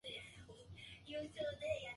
ギター弾きたい